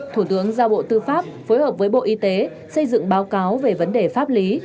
thủ tướng giao bộ tư pháp phối hợp với bộ y tế xây dựng báo cáo về vấn đề pháp lý